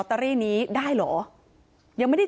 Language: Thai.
ถ้าพี่ถ้าพี่ถ้าพี่ถ้าพี่